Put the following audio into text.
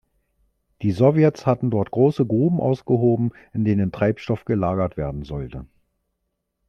Die Sowjets hatten dort große Gruben ausgehoben, in denen Treibstoff gelagert werden sollte.